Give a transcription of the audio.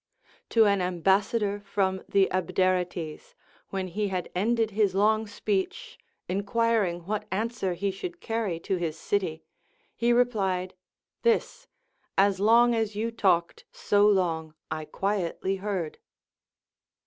To an ambassador from the Abderites, after he had ended his long speech, enquiring what answer he should carry to his LACONIC APOPHTHEGMS. 399 city, lie replied, This : As long as you talked, so long I qui etly heard.